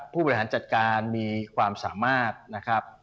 ผู้บริหารจัดการมีความสามารถนะครับ